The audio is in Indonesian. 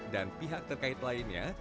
dan pihak terkait lainnya